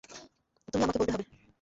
তুমি আমাকে বলতে হবে।